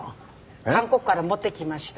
韓国から持ってきました。